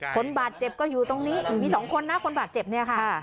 คนบาดเจ็บก็อยู่ตรงนี้มี๒คนนะคนบาดเจ็บเนี่ยค่ะ